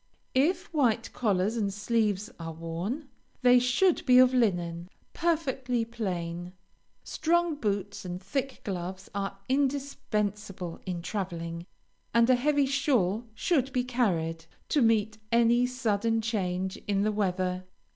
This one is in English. If white collars and sleeves are worn, they should be of linen, perfectly plain. Strong boots and thick gloves are indispensable in traveling, and a heavy shawl should be carried, to meet any sudden change in the weather.